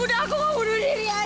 udah aku mau bunuh diri aja